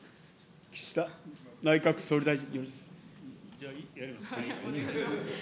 岸田内閣総理大臣。